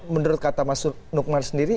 menurut kata mas nukmar sendiri